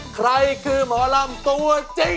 ใครคือหมอลำตัวจริง